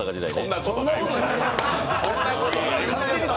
そんなことない。